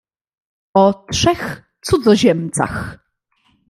"O trzech cudzoziemcach."